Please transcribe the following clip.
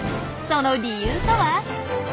その理由とは？